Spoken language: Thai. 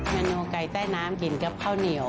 โนไก่ใต้น้ำกินกับข้าวเหนียว